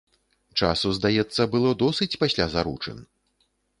Часу, здаецца, было досыць пасля заручын?